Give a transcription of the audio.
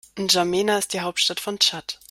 N’Djamena ist die Hauptstadt von Tschad.